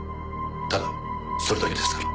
ただそれだけですから。